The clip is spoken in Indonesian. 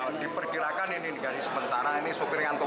nah diperkirakan ini dikali sementara ini sopir yang ngantuk